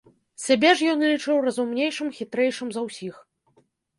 Сябе ж ён лічыў разумнейшым, хітрэйшым за ўсіх.